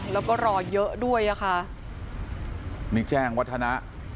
แล้วก็รอเยอะด้วยอ่ะค่ะนี่แจ้งวัฒนะ